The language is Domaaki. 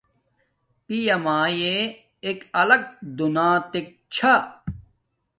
پیا مایے ایک الاگ دونیاتک چھا